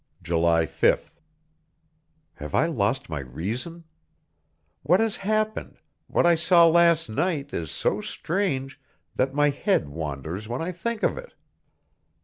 July 5th. Have I lost my reason? What has happened, what I saw last night, is so strange, that my head wanders when I think of it!